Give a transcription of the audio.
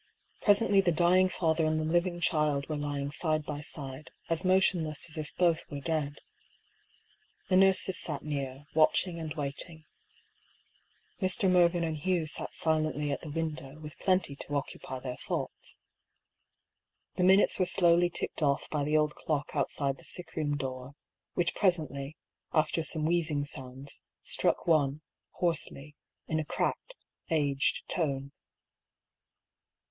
Presently the dying father and the living child . were lying side by side, as motionless as if both were dead. The nurses sat near, watching and waiting. Mr. Mervyn and Hugh sat silently at the window, with plenty to occupy their thoughts. The minutes were slowly ticked off by the old clock outside the sick room door, which presently, after some wheezing sounds, struck one, hoarsely, in a cracked, aged tone.